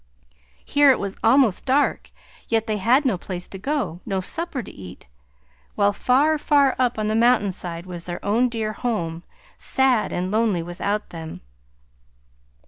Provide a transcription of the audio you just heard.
Here it was almost dark, yet they had no place to go, no supper to eat, while far, far up on the mountain side was their own dear home sad and lonely without them.